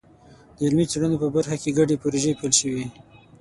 د علمي څېړنو په برخه کې ګډې پروژې پیل شوي.